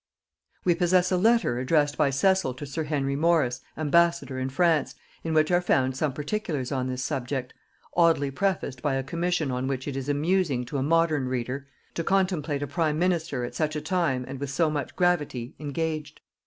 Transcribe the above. We possess a letter addressed by Cecil to sir Henry Norris ambassador in France, in which are found some particulars on this subject, oddly prefaced by a commission on which it is amusing to a modern reader to contemplate a prime minister at such a time, and with so much gravity, engaged.